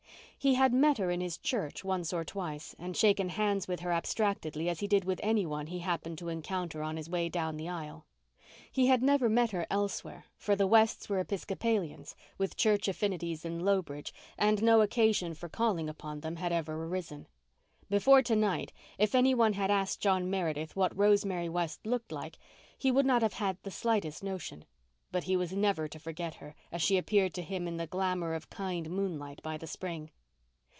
He had met her in his church once or twice and shaken hands with her abstractedly as he did with anyone he happened to encounter on his way down the aisle. He had never met her elsewhere, for the Wests were Episcopalians, with church affinities in Lowbridge, and no occasion for calling upon them had ever arisen. Before to night, if anyone had asked John Meredith what Rosemary West looked like he would not have had the slightest notion. But he was never to forget her, as she appeared to him in the glamour of kind moonlight by the spring.